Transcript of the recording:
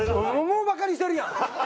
もうバカにしてるやん！